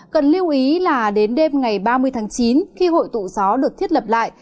cần lưu ý là đến đêm ngày ba mươi tháng chín khi hội tụ gió được thiết lập lại